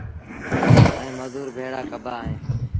ائيٚݩ مزور ڀيڙآ ڪبآ اهيݩ